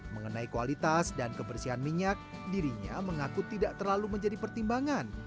mengenai kualitas dan kebersihan minyak dirinya mengaku tidak terlalu menjadi pertimbangan